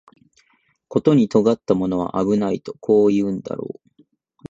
ことに尖ったものは危ないとこう言うんだろう